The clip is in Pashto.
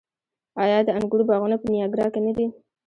آیا د انګورو باغونه په نیاګرا کې نه دي؟